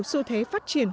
xu thế phát triển